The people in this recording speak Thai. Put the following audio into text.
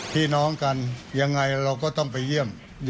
พี่น้องกันยังไงเราก็ต้องไปเยี่ยม